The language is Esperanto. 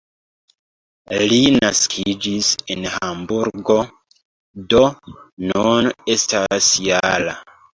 Li naskiĝis en Hamburgo, do nun estas -jara.